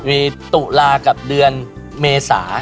มีตุลากับเดือนเมษา